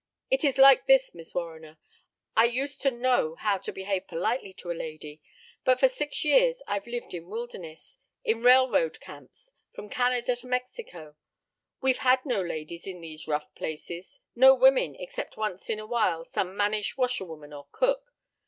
"It is like this, Miss Warriner. I used to know how to behave politely to a lady. But for six years I've lived in wildernesses in railroad camps from Canada to Mexico. We've had no ladies in these rough places no women, except once in a while some mannish washerwoman or cook.